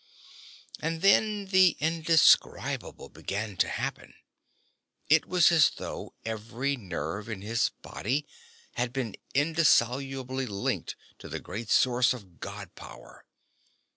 And then the indescribable began to happen. It was as though every nerve in his body had been indissolubly linked to the great source of God power.